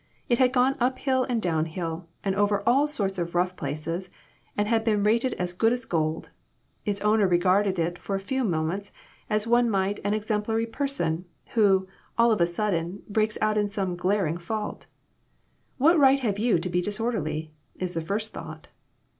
It had gone up hill and down hill, and over all sorts of rough places, and had been rated as good as gold. Its owner regarded it for a few minutes as one might an exemplary person, who, all of a sudden, breaks out in some glaring fault. " What right have you to be disorderly?" is the first thought.